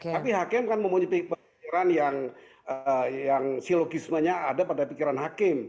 tapi hakim kan memiliki pikiran yang silogismenya ada pada pikiran hakim